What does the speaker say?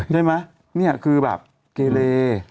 ใช่ไหมนี่คือแบบเกเร